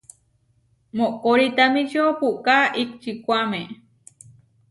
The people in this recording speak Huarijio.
Mokoritamíčio puʼká ikčikuáme.